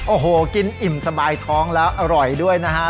โอ้โหกินอิ่มสบายท้องแล้วอร่อยด้วยนะฮะ